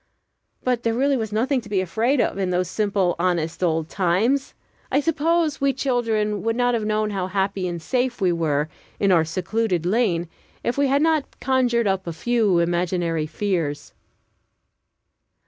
But there was really nothing to be afraid of in those simple, honest old times. I suppose we children would not have known how happy and safe we were, in our secluded lane, if we had not conjured up a few imaginary fears.